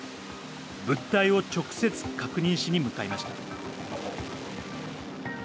物体を確認しに向かいました。